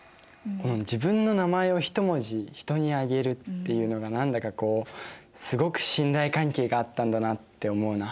自分の名前を１文字人にあげるっていうのが何だかこうすごく信頼関係があったんだなって思うな。